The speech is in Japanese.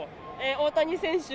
大谷選手。